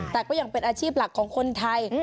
แต่ก็ยังเป็นอาชีพหลักของคนไทย